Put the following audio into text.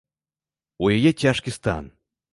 У яе цяжкі стан.